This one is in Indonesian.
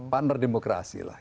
partner demokrasi lah